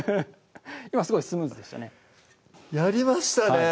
今すごいスムーズでしたね